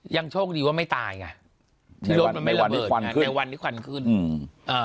ยังโชคดีว่าไม่ตายไงในวันที่ควันขึ้นในวันที่ควันขึ้นอืมอ่า